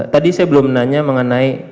tadi saya belum nanya mengenai